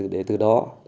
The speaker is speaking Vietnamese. để từ đó nâng